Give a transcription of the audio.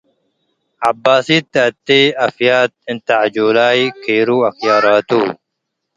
ዐባሲት ተአቴ አፍያት እንት ዐጆላይ ኬሩ ወአክያራቱ